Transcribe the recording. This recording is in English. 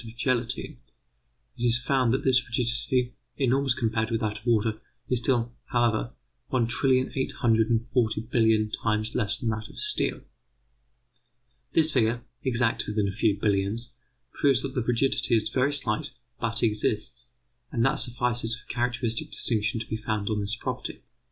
of gelatine, it is found that this rigidity, enormous compared with that of water, is still, however, one trillion eight hundred and forty billion times less than that of steel. This figure, exact within a few billions, proves that the rigidity is very slight, but exists; and that suffices for a characteristic distinction to be founded on this property.